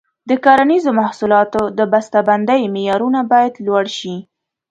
د کرنیزو محصولاتو د بسته بندۍ معیارونه باید لوړ شي.